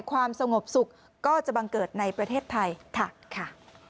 ความสงบสุขก็จะบังเกิดในประเทศไทยค่ะ